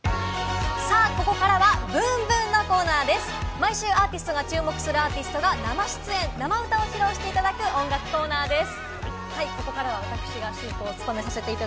毎週アーティストが毎週番組が注目するアーティストが生出演、生歌を披露していただく音楽コーナーです。